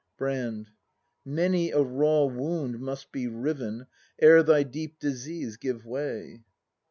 Brand. Many a raw wound must be riven Ere thy deep disease give way.